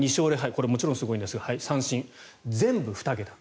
これももちろんすごいんですが三振、全部２桁。